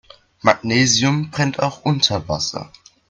Magnesium brennt auch unter Wasser.